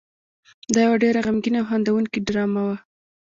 دا یو ډېره غمګینه او خندوونکې ډرامه وه.